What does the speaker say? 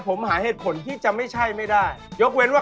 เขาเหลียดจริงอิมยอมรับเลยว่า